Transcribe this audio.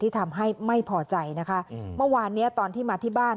ทำให้ไม่พอใจนะคะเมื่อวานเนี้ยตอนที่มาที่บ้าน